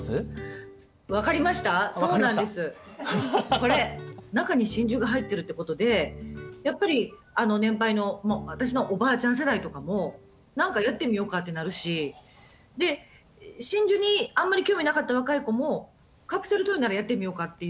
これ中に真珠が入ってるってことでやっぱり年配の私のおばあちゃん世代とかも何かやってみようかってなるしで真珠にあんまり興味なかった若い子もカプセルトイならやってみようかっていう。